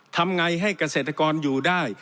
ทำไงให้เกษตรกรอยู่ได้